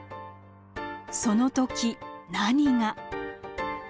その時何が？